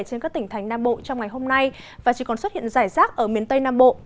trên các tỉnh thành nam bộ trong ngày hôm nay và chỉ còn xuất hiện rải rác ở miền tây nam bộ